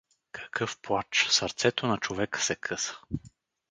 Какъв плач — сърцето на човека се къса.